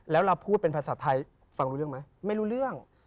แล้วเราพูดเป็นภาษาไทยฟังรู้เรื่องไหมไม่รู้เรื่อง